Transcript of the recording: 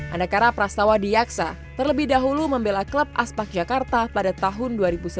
anakara prastawa di yaksa terlebih dahulu membela klub aspak jakarta pada tahun dua ribu sebelas